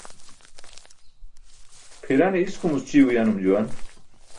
Pʰirane iskumuc ćii uyanum juwan.